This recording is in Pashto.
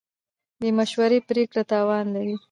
بې مشورې پرېکړه تاوان لري.